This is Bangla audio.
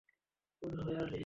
মনেহয় আর নেই।